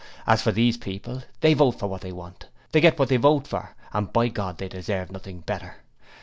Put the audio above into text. As for these people, they vote for what they want, they get what they vote for, and, by God! they deserve nothing better!